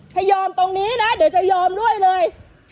ถ้ายอมตรงนี้นะเดี๋ยวจะยอมด้วยเลย